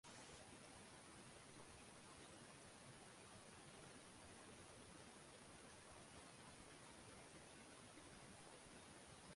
তার বাবা বাবু গঙ্গা কান্ত মুখোপাধ্যায় রাজ্য বিচার বিভাগে নিযুক্ত ছিলেন।